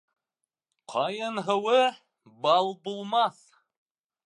Ҡайын һыуы бал булмаҫ